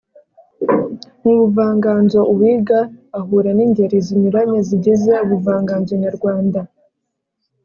Mu buvanganzo uwiga ahura n’ingeri zinyuranye zigize ubuvanganzo nyarwanda